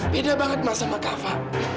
beda banget mas sama kava